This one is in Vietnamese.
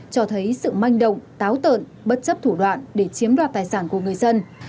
cho thấy sự manh động táo tợn bất chấp thủ đoạn để chiếm đoạt tài sản của người dân